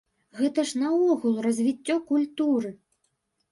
Гэта ж наогул развіццё культуры!